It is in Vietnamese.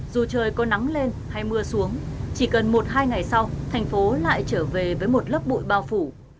dù trời có nắng lên hay mưa xuống chỉ cần một hai ngày sau thành phố lại trở về với một lớp bụi bao phủ